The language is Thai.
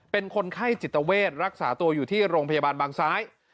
เป็นคนไข้จิตเวทรักษาตัวอยู่ที่โรงพยาบาลบางซ้าย